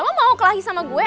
lo mau kelahi sama gue